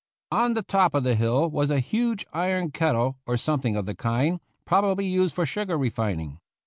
On the top of the hill was a huge iron kettle, or something of the kind, probably used for sugar refining.